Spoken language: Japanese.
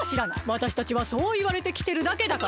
わたしたちはそういわれてきてるだけだから。